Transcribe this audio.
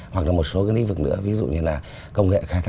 hoặc là một số lĩnh vực nữa